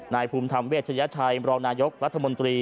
ภูมิธรรมเวชยชัยรองนายกรัฐมนตรี